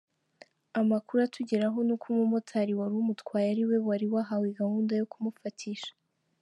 Amakuru atugeraho n’uko umumotari wari umutwaye ariwe wari wahawe gahunda yo kumufatisha.